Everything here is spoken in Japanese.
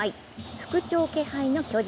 復調気配の巨人。